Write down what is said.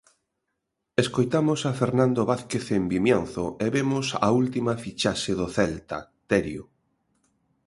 Escoitamos a Fernando Vázquez en Vimianzo e vemos a última fichaxe do Celta, Terio.